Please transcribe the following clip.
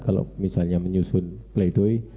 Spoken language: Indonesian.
kalau misalnya menyusun play doh